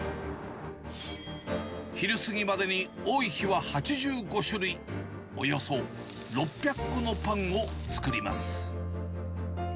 昼過ぎまでに多い日は８５種類、およそ６００個のパンを作ります。